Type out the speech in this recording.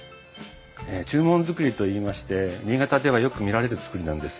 中門造りといいまして新潟ではよく見られる造りなんです。